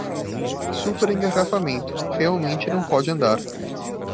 Super engarrafamento, realmente não pode andar